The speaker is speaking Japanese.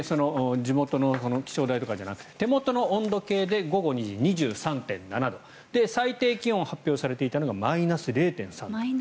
地元の気象台とかではなく手元の温度計で午後２時、２３．７度最低気温、発表されていたのがマイナス０．３度。